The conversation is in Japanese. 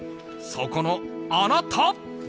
そこのあなた！